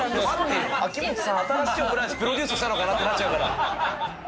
秋元さん、新しいオムライスプロデュースしたのかなと思っちゃうから。